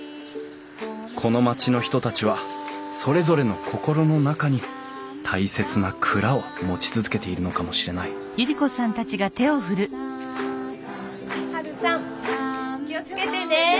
この町の人たちはそれぞれの心の中に大切な蔵を持ち続けているのかもしれないハルさん気を付けてね。